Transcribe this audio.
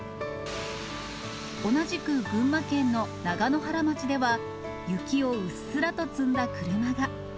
同じく群馬県の長野原町では、雪をうっすらと積んだ車が。